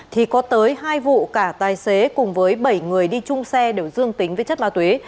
thì có tới hai vụ cả tài xế cùng với bảy người đi chung xe đều dương tính với chất ma túy